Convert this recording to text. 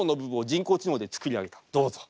どうぞ。